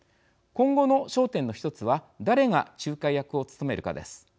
今後の焦点の１つは誰が仲介役を務めるかです。